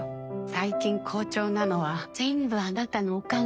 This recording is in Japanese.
最近好調なのは、全部あなたのおかげ。